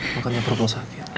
makannya perlu sakit